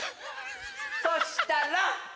そしたら。